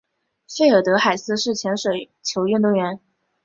费尔德海斯是前水球运动员。